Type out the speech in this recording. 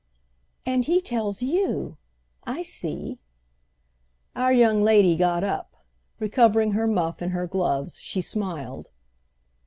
"And he tells you—I see." Our young lady got up; recovering her muff and her gloves she smiled.